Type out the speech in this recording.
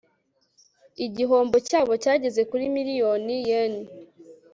igihombo cyabo cyageze kuri miliyoni yen